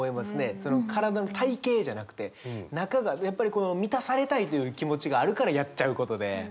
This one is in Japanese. その体の体形じゃなくて中がやっぱりこの満たされたいという気持ちがあるからやっちゃうことで。